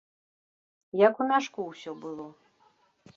Як у мяшку ўсё было.